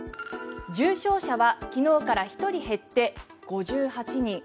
重症者は昨日から１人減って５８人。